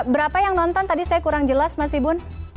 berapa yang nonton tadi saya kurang jelas mas ibun